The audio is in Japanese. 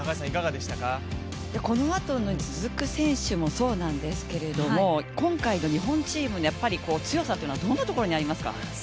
このあとに続く選手もそうなんですけれども、今回の日本チーム、強さというのはどんなところにありますか。